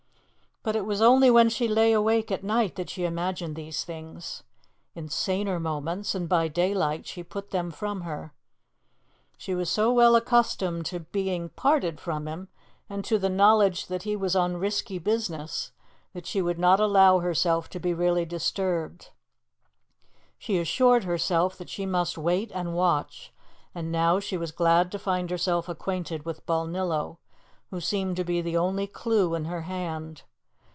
But it was only when she lay awake at night that she imagined these things. In saner moments and by daylight she put them from her. She was so well accustomed to being parted from him, and to the knowledge that he was on risky business, that she would not allow herself to be really disturbed. She assured herself that she must wait and watch; and now she was glad to find herself acquainted with Balnillo, who seemed to be the only clue in her hand.